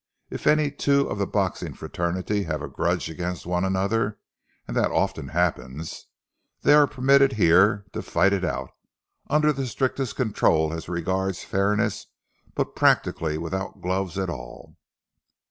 If any two of the boxing fraternity have a grudge against one another, and that often happens, they are permitted here to fight it out, under the strictest control as regards fairness, but practically without gloves at all.